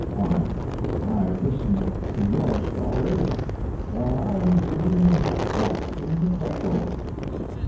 Why, I listened to your stories while I was being rocked in the cradle."